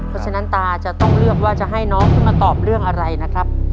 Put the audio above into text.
เพราะฉะนั้นตาจะต้องเลือกว่าจะให้น้องขึ้นมาตอบเรื่องอะไรนะครับ